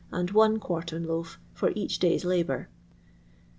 and 1 quartern loaf for each day's labour.